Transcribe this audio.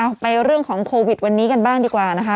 ไปเรื่องของโควิดวันนี้กันบ้างดีกว่านะคะ